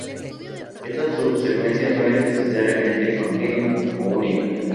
Esta subsecuencia no es necesariamente continua, o única.